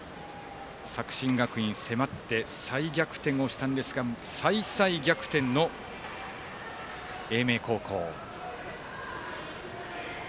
作新学院、迫って再逆転をしたんですが再々逆転の英明高校。